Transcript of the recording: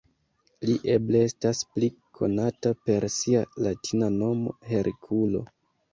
Li eble estas pli konata per sia latina nomo Herkulo.